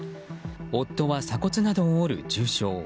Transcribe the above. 夫は鎖骨などを折る重傷。